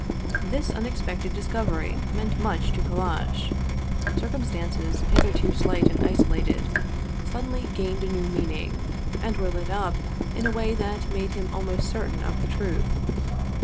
This unexpected discovery meant much to Kallash. Cir cumstances, hitherto slight and isolated, suddenly gained a new meaning, and were lit up in a way that made him almost certain of the truth.